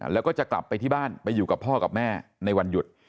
แล้วก็จะกลับไปที่บ้านไปอยู่กับพ่อกับแม่ในวันหยุด